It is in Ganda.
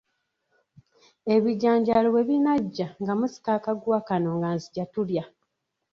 Ebijanjaalo bwe binaggya nga musika akaguwa kano nga nzija tulya.